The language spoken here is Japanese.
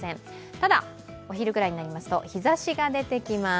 ただお昼ぐらいになりますと日ざしが出てきます。